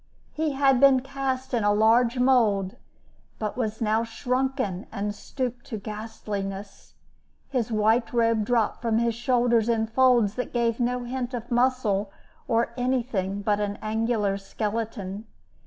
He had been cast in large mould, but was now shrunken and stooped to ghastliness; his white robe dropped from his shoulders in folds that gave no hint of muscle or anything but an angular skeleton.